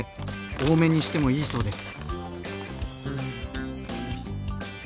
多めにしてもいいそうです。